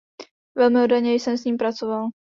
Velmi oddaně jsem s ním pracoval.